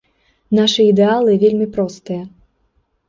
Нашы ідэалы вельмі простыя.